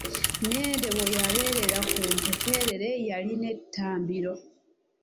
Nnende bwe yabeera ku Bukeerere yalina ettambiro.